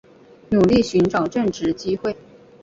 努力寻找正职机会